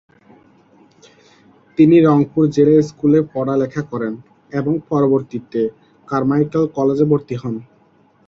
তিনি রংপুর জিলা স্কুলে পড়া লেখা করেন এবং পরবর্তিতে কারমাইকেল কলেজে ভর্তি হন।